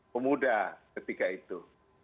pemuda ketika itu